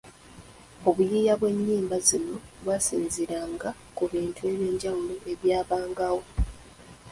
Obuyiiya bw’ennyimba zino bwasinziiranga ku bintu eby’enjawulo ebyabangawo